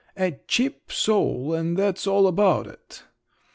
… A cheap soul, and that's all about it!